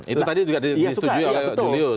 itu tadi juga disetujui oleh julius